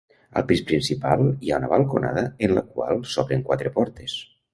Al pis principal hi ha una balconada en la qual s'obren quatre portes.